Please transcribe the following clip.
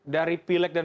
dari pileg dan